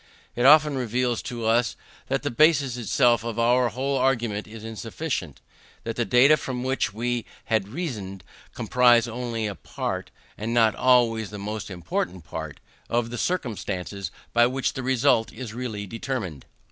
It often reveals to us that the basis itself of our whole argument is insufficient; that the data, from which we had reasoned, comprise only a part, and not always the most important part, of the circumstances by which the result is really determined.